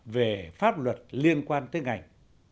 về pháp luật liên quan tới ngành